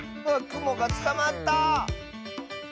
くもがつかまった！